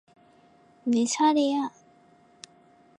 내 차례야.